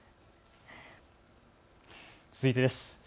続いてです。